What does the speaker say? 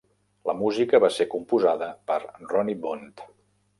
La música va ser composada per Ronnie Bond.